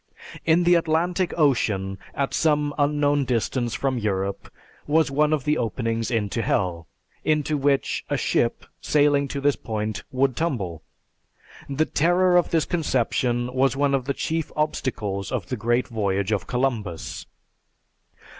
In the Atlantic Ocean, at some unknown distance from Europe, was one of the openings into hell, into which a ship sailing to this point, would tumble. The terror of this conception was one of the chief obstacles of the great voyage of Columbus.